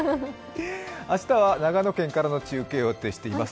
明日は、長野県からの中継を予定しています。